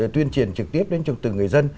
tuyên triển trực tiếp đến từ người dân